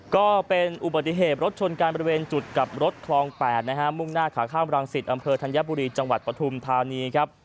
ก็เป็นอุบัติเหตุรถชนกันบริเวณจุดกลับรถคลอง๘นะฮะมุ่งหน้าขาข้ามรังสิตอำเภอธัญบุรีจังหวัดปฐุมธานีครับ